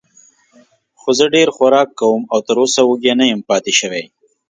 خو زه ډېر خوراک کوم او تراوسه وږی نه یم پاتې شوی.